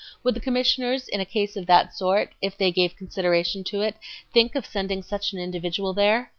Would the Commissioners in a case of that sort, if they gave consideration to it, think of sending such an individual there?